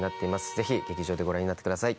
ぜひ劇場でご覧になってください。